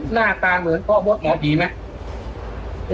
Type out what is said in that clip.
หน้าตาเหมือนพ่อบ๊อตเหมือนดีมั้ย